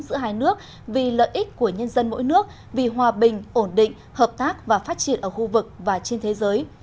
giữa hai nước vì lợi ích của nhân dân mỗi nước vì hòa bình ổn định hợp tác và phát triển ở khu vực và trên thế giới